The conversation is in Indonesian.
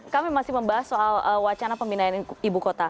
kami masih membahas soal wacana pemindahan ibu kota